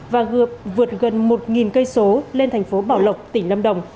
và gợp vượt gần một cây số lên thành phố bảo lộc tỉnh lâm đồng